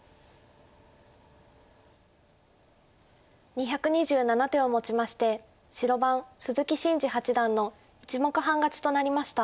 ２２７手をもちまして白番鈴木伸二八段の１目半勝ちとなりました。